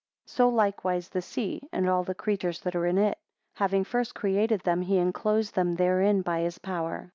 6 So likewise the sea, and all the creatures that are in it; having first created them, he enclosed them therein by his power.